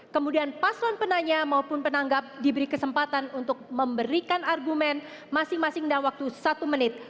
kemudian paslon penanya maupun penanggap diberi kesempatan untuk memberikan argumen masing masing dalam waktu satu menit